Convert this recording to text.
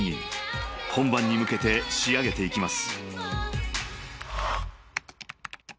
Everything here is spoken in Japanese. ［本番に向けて仕上げていきます］